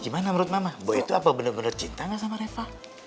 gimana menurut mama boy itu apa bener bener cinta gak sama reva